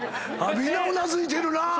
みんなうなずいてるなぁ。